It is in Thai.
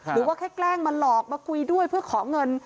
หรือว่าแค่แกล้งมาหลอกมาคุยด้วยเพื่อขอเงิน